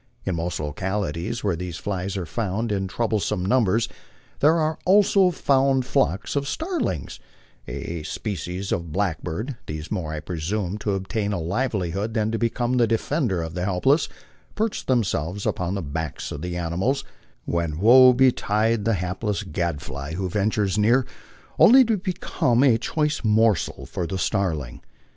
In most localities where these flies are found in troublesome numbers, there are also found flocks of starlings, a spe cies of blackbird ; these, more, I presume, to obtain a livelihood than to become the defender of the helpless, perch themselves upon the backs of the animals, when woe betide the hapless gadfly who ventures near, only to become a choice morsel for the starling.